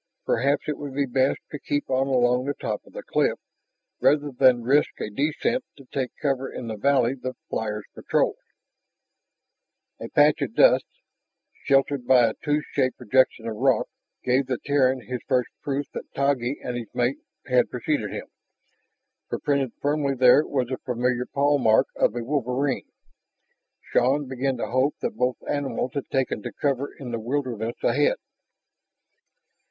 Perhaps it would be best to keep on along the top of the cliff, rather than risk a descent to take cover in the valley the flyers patrolled. A patch of dust, sheltered by a tooth shaped projection of rock, gave the Terran his first proof that Taggi and his mate had preceded him, for printed firmly there was the familiar paw mark of a wolverine. Shann began to hope that both animals had taken to cover in the wilderness ahead.